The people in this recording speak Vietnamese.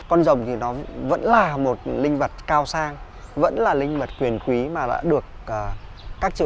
con rồng thì nó vẫn là một linh vật cao sang vẫn là linh vật quyền quý mà đã được các triều